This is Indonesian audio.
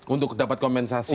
untuk dapat komensasi